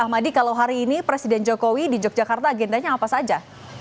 ahmadi kalau hari ini presiden jokowi di yogyakarta agendanya apa saja